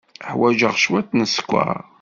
Ḥwajeɣ cwiṭ n sskeṛ.